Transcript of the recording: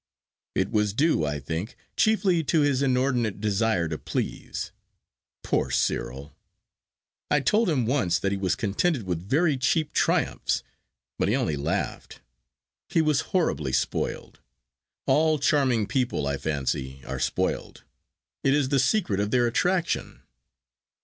It was due, I think, chiefly to his inordinate desire to please. Poor Cyril! I told him once that he was contented with very cheap triumphs, but he only laughed. He was horribly spoiled. All charming people, I fancy, are spoiled. It is the secret of their attraction.